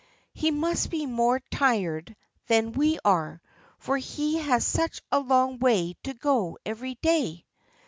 He must be more tired than we are, for he has such a long way to go every day."